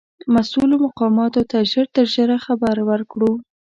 مسؤولو مقاماتو ته ژر تر ژره خبر ورکړو.